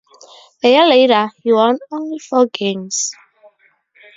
A year later, he won only four games.